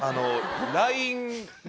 ＬＩＮＥに。